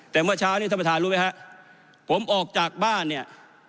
แต่เมื่อเช้านี้ท่านประธานรู้ไหมฮะผมออกจากบ้านเนี่ย